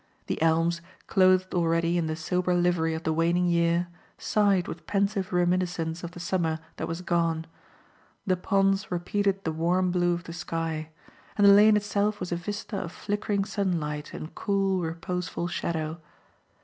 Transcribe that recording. The elms, clothed already in the sober livery of the waning year, sighed with pensive reminiscence of the summer that was gone; the ponds repeated the warm blue of the sky; and the lane itself was a vista of flickering sunlight and cool, reposeful shadow.